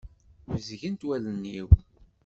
Bezgent wallen-iw.